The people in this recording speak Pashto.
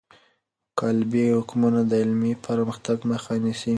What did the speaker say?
قالبي حکمونه د علمي پرمختګ مخه نیسي.